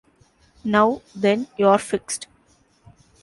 Now, then, you're fixed.